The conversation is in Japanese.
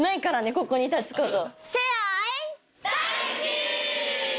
ここに立つこと。